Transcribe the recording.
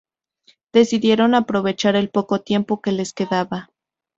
decidieron aprovechar el poco tiempo que les quedaba